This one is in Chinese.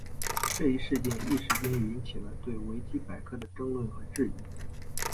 这一事件一时间引起了对维基百科的争论和质疑。